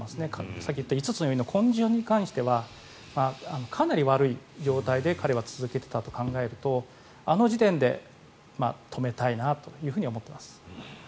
さっき言った５つの要因のコンディションに関してはかなり悪い容体で彼は続けていたと考えるとあの時点で止めたいなと思ってます。